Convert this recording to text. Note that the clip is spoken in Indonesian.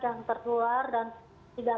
yang tertular dan tidak